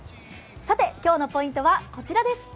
さて今日のポイントは、こちらです